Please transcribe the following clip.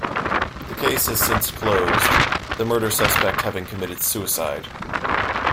The case has since closed, the murder suspect having committed suicide.